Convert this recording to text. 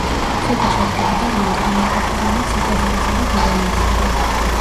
ციხე შედგებოდა რამდენიმე კოშკიანი ციტადელისა და გალავნისაგან.